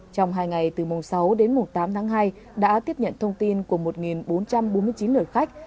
trong hai ngày từ mùng sáu đến mùng tám tháng hai đã tiếp nhận thông tin của một bốn trăm bốn mươi chín lượt khách